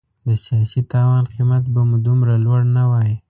د سیاسي تاوان قیمت به مو دومره لوړ نه وای.